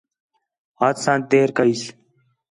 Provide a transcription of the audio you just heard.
ہتھ ساں دیر کسئیں